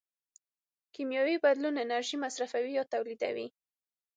کیمیاوي بدلون انرژي مصرفوي یا تولیدوي.